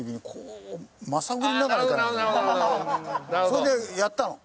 それでやったの。